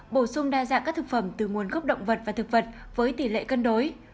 bổ sung đa dạng các thực phẩm từ nguồn gốc động vật và thực vật với tỷ lệ cân đối